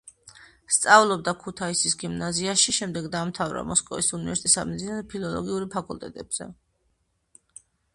სწავლობდა ქუთაისის გიმნაზიაში, შემდეგ დაამთავრა მოსკოვის უნივერსიტეტის სამედიცინო და ფილოლოგიური ფაკულტეტებზე.